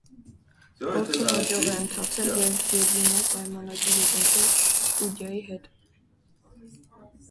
Փորձը հաջող է ընթացել, և Գևինը պայմանագիր է կնքել ստուդիայի հետ։